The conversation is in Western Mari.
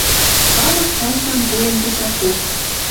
Халык пӓшӓм пуэн тӹшӓкок.